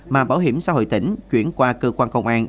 mà bảo hiểm xã hội tỉnh chuyển qua cơ quan công an